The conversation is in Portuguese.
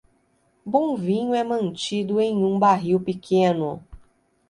Bom vinho é mantido em um barril pequeno.